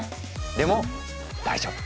でも大丈夫。